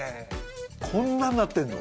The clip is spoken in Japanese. こんなんなってんの？